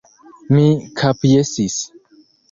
Mi kapjesis.